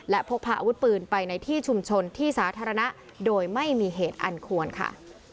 และพกพาอาวุธปืนไปในที่ชุมชนที่สาธารณะโดยไม่มีเหตุอันควรค่ะ